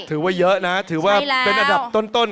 ถือว่าเยอะนะถือว่าเป็นอันดับต้น